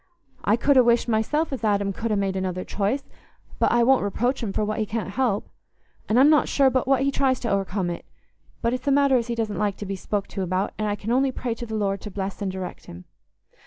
I could ha' wished myself as Adam could ha' made another choice, but I wouldn't reproach him for what he can't help. And I'm not sure but what he tries to o'ercome it. But it's a matter as he doesn't like to be spoke to about, and I can only pray to the Lord to bless and direct him."